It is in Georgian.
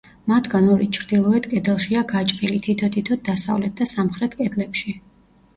მათგან ორი ჩრდილოეთ კედელშია გაჭრილი, თითო-თითოდ დასავლეთ და სამხრეთ კედლებში.